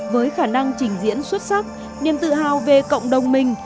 với khả năng trình diễn xuất sắc niềm tự hào về cộng đồng mình